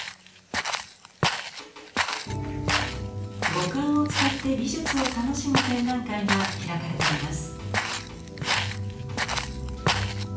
五感を使って美術を楽しむ展覧会が開かれています。